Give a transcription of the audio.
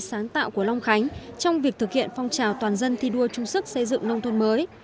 sáng tạo của long khánh trong việc thực hiện phong trào toàn dân thi đua chung sức xây dựng nông thôn mới